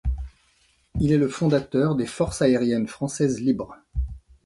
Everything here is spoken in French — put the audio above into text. Il est le fondateur des forces aériennes françaises libres.